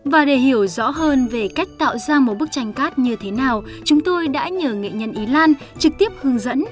và để hiểu rõ hơn về cách tạo ra một bức tranh cát như thế nào chúng tôi đã nhờ nghệ nhân ý lan trực tiếp hướng dẫn